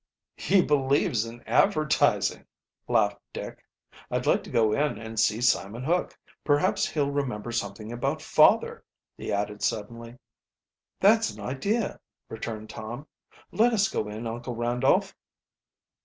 "He believes in advertising," laughed Dick. "I'd like to go in and see Simon Hook. Perhaps he'll remember something about father!" he added suddenly. "That's an idea!" returned Tom. "Let us go in, Uncle Randolph."